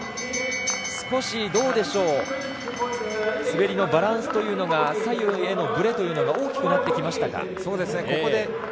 少しどうでしょう、滑りのバランスというのが左右へのブレというのが大きくなってきましたか？